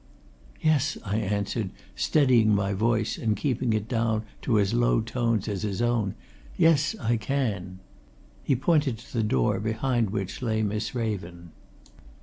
"Yes!" I answered, steadying my voice and keeping it down to as low tones as his own. "Yes I can!" He pointed to the door behind which lay Miss Raven.